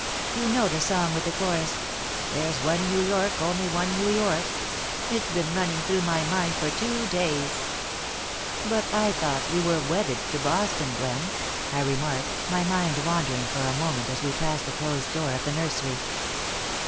"You know the song with the chorus, 'There's one New York, only one New York?' It's been running through my mind for two days." "But I thought that you were wedded to Boston, Gwen," I remarked, my mind wandering for a moment as we passed the closed door of the nursery.